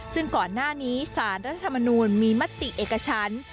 ซึ่งก่อนหน้านี้สารรัฐธรรมนูลมีมติเอกชั้น